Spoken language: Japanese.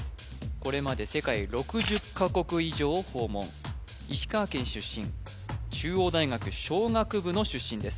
これまで世界６０か国以上訪問石川県出身中央大学商学部の出身です